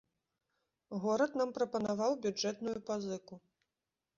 Горад нам прапанаваў бюджэтную пазыку.